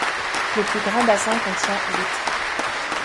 Le plus grand bassin contient litres.